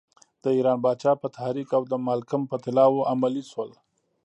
د ایران پاچا په تحریک او د مالکم په طلاوو عملی شول.